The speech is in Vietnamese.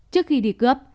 trước khi đi cướp